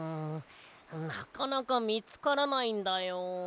なかなかみつからないんだよ。